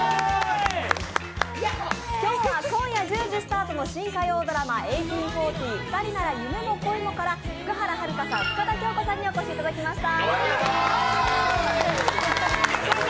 今日は今夜１０時スタートの新火曜ドラマ「１８／４０ふたりなら夢も恋も」から福原遥さん、深田恭子さんにお越しいただきました。